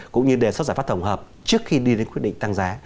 cũng như đề xuất giải pháp tổng hợp trước khi đi đến quyết định tăng giá